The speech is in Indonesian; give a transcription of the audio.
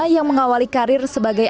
yang mengawali karir sebagai